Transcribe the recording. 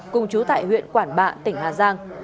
cùng chú tại huyện quảng bạ tỉnh hà giang